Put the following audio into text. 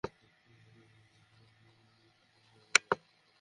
ভেবেছিলাম, এমআইটির ঐ মহিলাকে বাঁচানোয় কাজ হয়েছে।